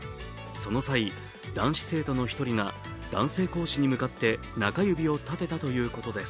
その際、男子生徒の１人が男性講師に向かって中指を立てたということです。